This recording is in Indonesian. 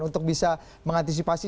untuk bisa mengantisipasi